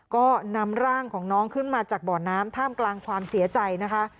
ก็นำร่างของน้องขึ้นมาจากบ่อน้ำท่ามกลางความเสียใจนะคะ